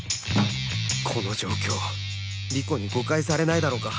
この状況莉子に誤解されないだろうか？